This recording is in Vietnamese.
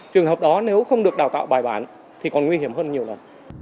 trường hợp đó nếu không được đào tạo bài bản thì còn nguy hiểm hơn nhiều lần